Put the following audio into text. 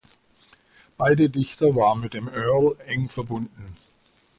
Beide Dichter waren mit dem Earl eng verbunden.